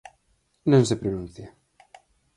Non se pronuncia.